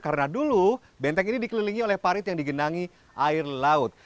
karena dulu benteng ini dikelilingi oleh parit yang digenangi air laut